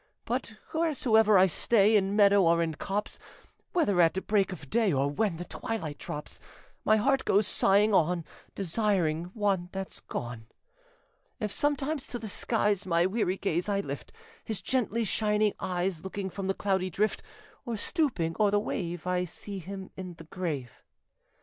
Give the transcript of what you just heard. But wheresoe'er I stay, In meadow or in copse, Whether at break of day Or when the twilight drops, My heart goes sighing on, Desiring one that's gone. If sometimes to the skies My weary gaze I lift, His gently shining eyes Look from the cloudy drift, Or stooping o'er the wave I see him in the grave.